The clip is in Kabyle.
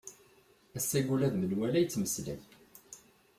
Ass-agi ula d menwala yettmeslay.